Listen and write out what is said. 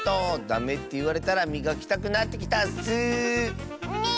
ダメっていわれたらみがきたくなってきたッス。ね。